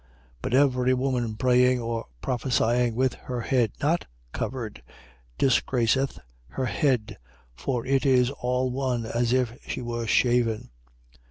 11:5. But every woman praying or prophesying with her head not covered disgraceth her head: for it is all one as if she were shaven.